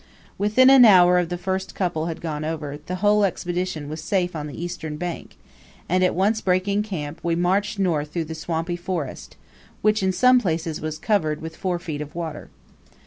Within an hour of the first couple had gone over, the entire Expedition was safe on the eastern bank; and at once breaking camp, we marched north through the swampy forest, which in some places was covered with four feet of water.